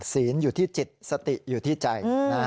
ศีลอยู่ที่จิตสติอยู่ที่ใจ